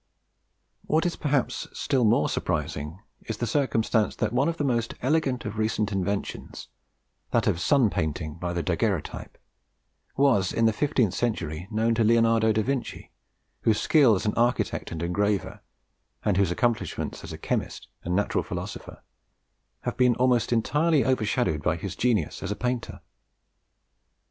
What is perhaps still more surprising is the circumstance that one of the most elegant of recent inventions, that of sun painting by the daguerreotype, was in the fifteenth century known to Leonardo da Vinci, whose skill as an architect and engraver, and whose accomplishments as a chemist and natural philosopher, have been almost entirely overshadowed by his genius as a painter.